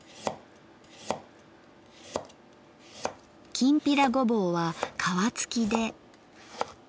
きんぴらごぼうは皮付きで。